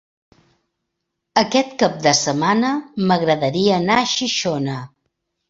Aquest cap de setmana m'agradaria anar a Xixona.